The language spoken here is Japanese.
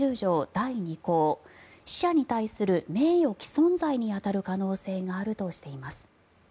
第２項死者に対する名誉毀損罪に当たる可能性があるとしています。